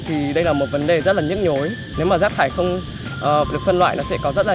thì đây là một vấn đề rất là nhức nhối nếu mà rác thải không được phân loại nó sẽ có rất là